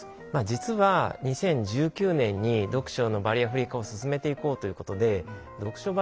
実は２０１９年に読書のバリアフリー化を進めていこうということで読書バリアフリー法っていう法律ができたんですね。